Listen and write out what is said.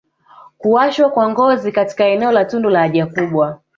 kuwashwa kwa ngozi katika eneo la tundu ya haja kubwa